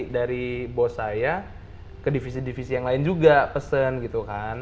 dari bos saya ke divisi divisi yang lain juga pesen gitu kan